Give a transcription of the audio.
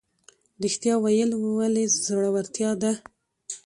ریښتیا ویل ولې زړورتیا ده؟